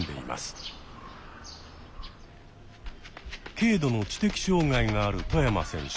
軽度の知的障害がある外山選手。